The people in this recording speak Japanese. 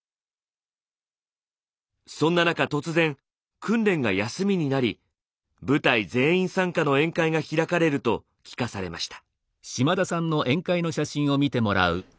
そんな中突然訓練が休みになり部隊全員参加の宴会が開かれると聞かされました。